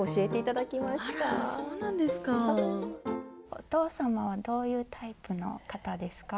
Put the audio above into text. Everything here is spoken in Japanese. お父様はどういうタイプの方ですか？